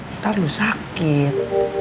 ntar lu sakit